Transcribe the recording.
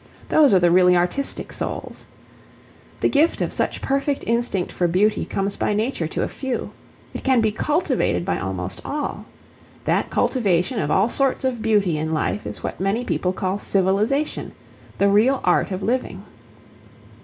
Those are the really artistic souls. The gift of such perfect instinct for beauty comes by nature to a few. It can be cultivated by almost all. That cultivation of all sorts of beauty in life is what many people call civilization the real art of living.